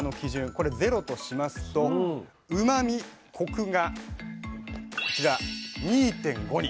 これ０としますとうまみ・コクがこちら２．５に。